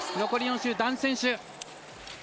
残り４周男子選手。